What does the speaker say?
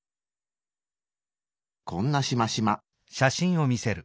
こんなしましま。